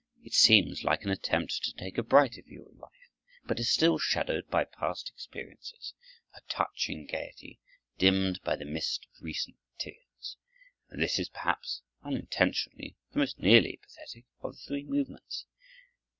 It seems like an attempt to take a brighter view of life, but is still shadowed by past experiences,—a touching gaiety dimmed by the mist of recent tears,—and this is, perhaps unintentionally, the most nearly pathetic of the three movements.